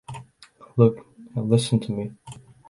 Look and listen to me.